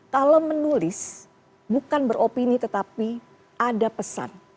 kalau menulis bukan beropini tetapi ada pesan